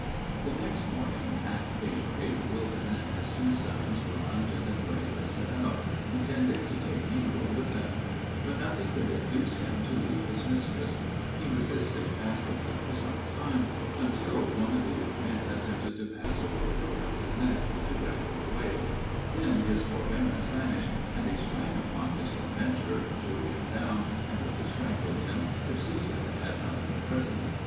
The next morning at daybreak, Wilton and his two sons were mounted, and ready to set out, intending to take Nero with them; but nothing could induce him to leave his mistress: he resisted passively for some time, until one of the young men attempted to pass a rope round his neck, to drag him away: then his forbearance vanished, and he sprang upon his tormentor, threw him down, and would have strangled him, if Susan had not been present.